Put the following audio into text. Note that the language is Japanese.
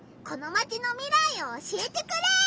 このマチの未来を教えてくれ！